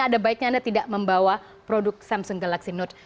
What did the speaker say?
ada baiknya anda tidak membawa produk samsung galaxy note